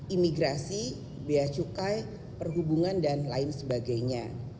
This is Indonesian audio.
imigrasi bea cukai perhubungan dan lain sebagainya